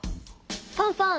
ファンファン！